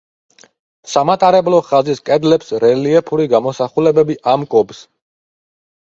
სამატარებლო ხაზის კედლებს რელიეფური გამოსახულებები ამკობს.